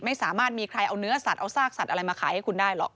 ไม่มีใครมีใครเอาเนื้อสัตว์เอาซากสัตว์อะไรมาขายให้คุณได้หรอก